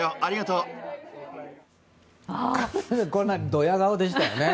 どや顔でしたよね。